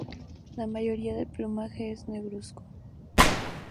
La mayoría del plumaje es negruzco.